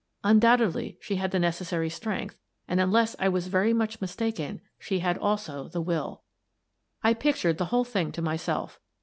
Undoubtedly she had the necessary strength, and, unless I was very much mistaken, she had also the will. I pictured the whole thing to myself.